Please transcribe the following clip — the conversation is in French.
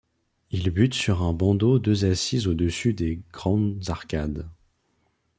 Ils butent sur un bandeau deux assises au-dessus des grandes arcades.